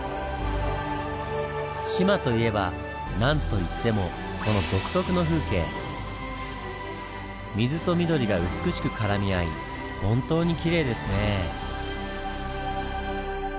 志摩といえば何といってもこの水と緑が美しく絡み合い本当にきれいですねぇ。